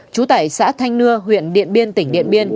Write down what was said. chú tải xã thanh nưa huyện điện biên tỉnh điện biên